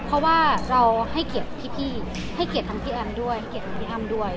เพราะว่าเราให้เขียนพี่ให้เขียนพี่อ๋ามด้วย